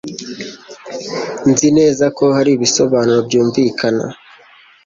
Nzi neza ko hari ibisobanuro byumvikana.